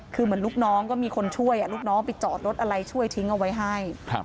คือเหมือนลูกน้องก็มีคนช่วยลูกน้องไปจอดรถอะไรช่วยทิ้งเอาไว้ให้